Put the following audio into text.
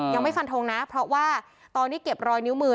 ยังไม่ฟันทงนะเพราะว่าตอนนี้เก็บรอยนิ้วมือ